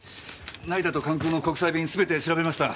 成田と関空の国際便すべて調べました。